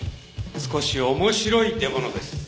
少し面白い出物です。